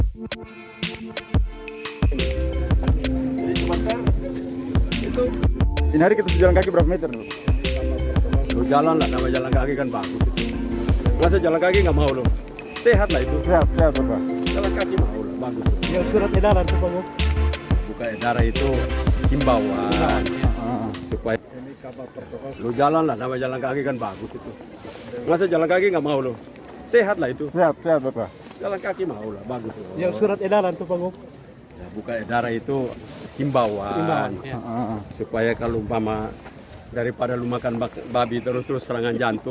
jalan jalan kaki kan bagus jalan jalan kaki enggak mau sehat sehat